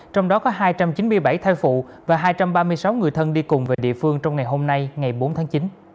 trong đó có hai trăm chín mươi bảy thai phụ và hai trăm ba mươi sáu người thân đi cùng về địa phương trong ngày hôm nay ngày bốn tháng chín